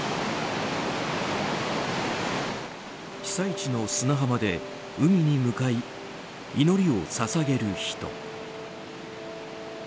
被災地の砂浜で海に向かい祈りを捧げる人。